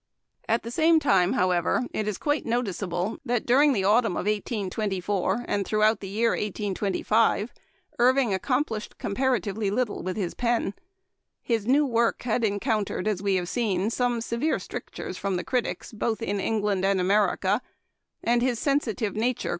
At the same time, however, it is quite notice able that, during the autumn of 1824, and throughout the year 1825, Irving accomplished comparatively little with his pen. His new work had encountered, as we have seen, some severe strictures from the critics both in En gland and America, and his sensitive nature Memoir of Washington Irving.